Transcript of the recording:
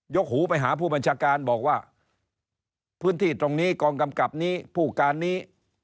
หูไปหาผู้บัญชาการบอกว่าพื้นที่ตรงนี้กองกำกับนี้ผู้การนี้